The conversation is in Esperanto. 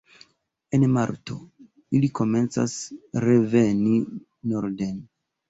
En marto ili komencas reveni norden.